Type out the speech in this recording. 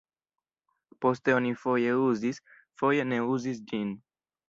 Poste oni foje uzis, foje ne uzis ĝin.